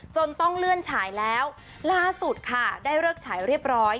จนต้องเลื่อนฉายแล้วล่าสุดค่ะได้เลิกฉายเรียบร้อย